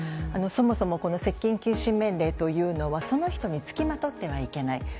そもそも接近禁止命令というのはその人に付きまとってはいけない。